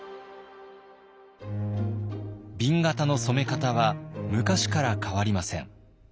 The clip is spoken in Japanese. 紅型の染め方は昔から変わりません。